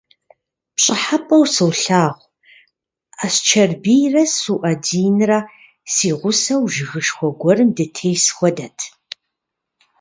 ПщӀыхьэпӀэу солъагъу: Асчэрбийрэ СуӀэдинрэ си гъусэу жыгышхуэ гуэрым дытес хуэдэт.